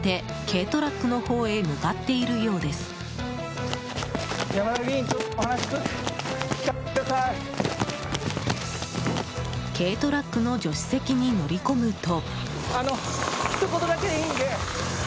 軽トラックの助手席に乗り込むと。